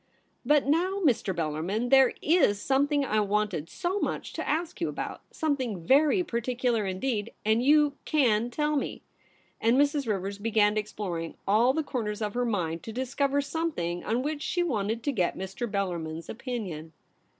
* But now, Mr. Bellarmin, there is some thing I wanted so much to ask you about — something very particular indeed — and you can tell me ;' and Mrs. Rivers began exploring all the corners of her mind to discover some thing on which she wanted to get Mr. Bellarmin's opinion.